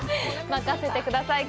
任せてください。